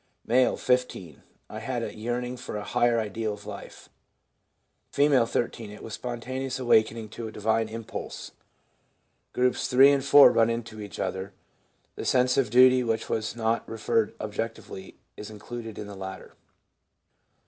M., 15. * I had a yearning for a higher ideal of life.' F., 13. * It was spontaneous awakening to a divine impulse.' Groups 3 and 4 run into each other. The sense of duty which was not referred objectively is included in the latter.